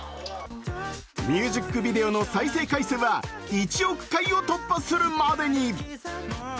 ミュージックビデオの再生回数は１億回を突破するまでに。